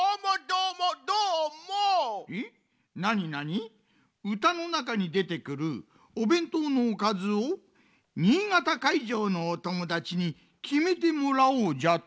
うたのなかにでてくるおべんとうのおかずを新潟かいじょうのおともだちにきめてもらおうじゃと？